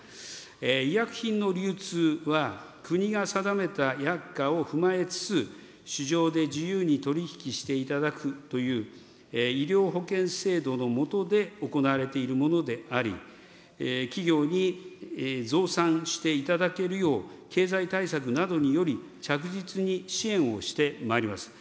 医薬品の流通は、国が定めた薬価を踏まえつつ、市場で自由に取り引きしていただくという、医療保険制度の下で行われているものであり、企業に増産していただけるよう、経済対策などにより着実に支援をしてまいります。